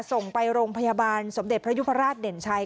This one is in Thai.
ส่งไปโรงพยาบาลสมเด็จพระยุพราชเด่นชัย